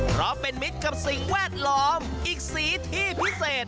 เพราะเป็นมิตรกับสิ่งแวดล้อมอีกสีที่พิเศษ